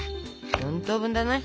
４等分だね。